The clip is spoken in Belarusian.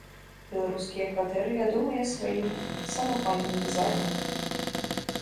Беларускія кватэры вядомыя сваім самапальным дызайнам.